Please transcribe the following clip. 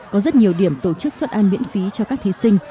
có rất nhiều điểm tổ chức xuất ăn miễn phí cho các thí sinh